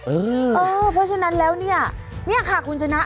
อืออือเพราะฉะนั้นแล้วนี่นี่ค่ะคุณชนะ